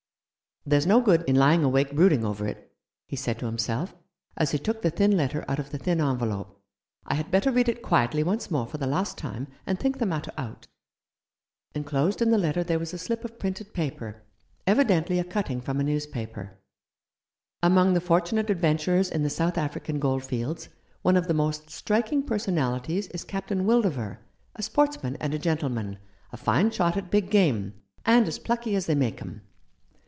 "There's no good in lying awake brooding over it," he said to himself, as he took the thin letter out of the thin envelope ;" I had better read it quietly once more for the last time, and think the matter out." Enclosed in the letter there was a slip of printed paper — evidently a cutting from a newspaper. "Among the fortunate adventurers in the South African goldfields, one of the most striking per sonalities is Captain Wildover, a sportsman and a gentleman, a fine shot at big game, and as plucky as they make 'em.